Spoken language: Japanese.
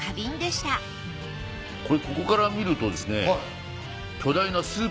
これここから見るとですね。